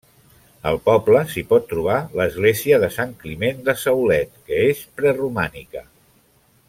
Al poble s'hi pot trobar l'església de Sant Climent de Saulet, que és preromànica.